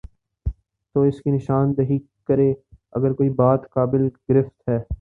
تو اس کی نشان دہی کرے اگر کوئی بات قابل گرفت ہے۔